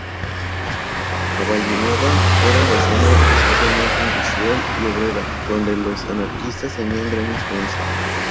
Avellaneda, era la zona esencialmente industrial y obrera, donde los anarquistas tenían gran influencia.